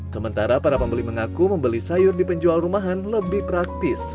sementara para pembeli mengaku membeli sayur di penjual rumahan lebih praktis